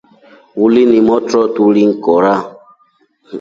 Uli ni motro ulingikora.